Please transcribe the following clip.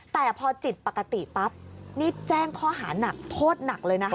แต่พอจิตปกติปั๊บนี่แจ้งข้อหานักโทษหนักเลยนะคะ